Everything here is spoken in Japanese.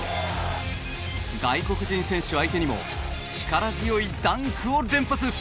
外国人選手相手にも力強いダンクを連発。